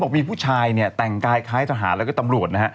มีผู้ชายแปลงกายคล้ายทหารแล้วก็ตำรวจ